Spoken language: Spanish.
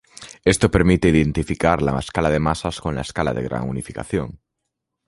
Esto permite identificar la escala de masas con la escala de gran unificación.